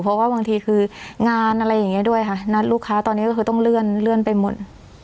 เพราะว่าบางทีคืองานอะไรอย่างนี้ด้วยค่ะนัดลูกค้าตอนนี้ก็คือต้องเลื่อนไปหมด